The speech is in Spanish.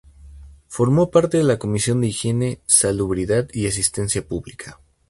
Formó parte de la Comisión de Higiene, Salubridad y Asistencia Pública.